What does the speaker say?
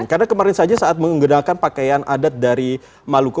karena kemarin saja saat mengenalkan pakaian adat dari maluku